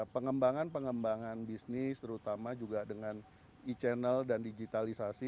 pengembangan pengembangan bisnis terutama juga dengan e channel dan digitalisasi